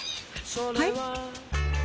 はい？